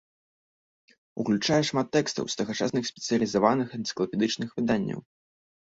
Уключае шмат тэкстаў з тагачасных спецыялізаваных энцыклапедычных выданняў.